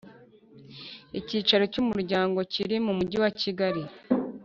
Icyicaro Cy Umuryango Kiri Mu Mujyi wa kigali